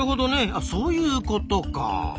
あそういうことか。